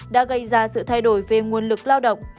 đã gây ra sự thay đổi về nguồn lực lao động